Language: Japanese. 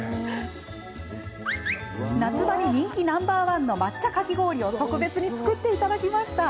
夏場に人気ナンバー１の抹茶かき氷を特別に作っていただきました。